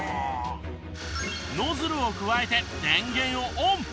ノズルをくわえて電源をオン。